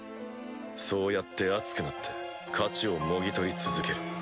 そうやって熱くなって勝ちをもぎ取り続ける。